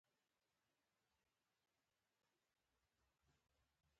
په نن واوسه، له تېر راووځه.